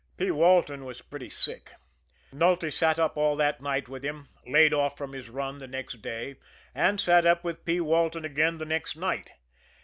P. Walton was pretty sick. Nulty sat up all that night with him, laid off from his run the next day, and sat up with P. Walton again the next night.